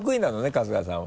春日さんは。